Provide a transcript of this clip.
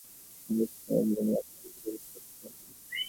একটি কথা মনে রাখতে হবে, মাদকাসক্ত রোগীরা নিরাময়কেন্দ্রে থাকতে চান না।